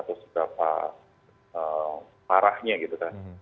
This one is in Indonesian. atau seberapa parahnya gitu kan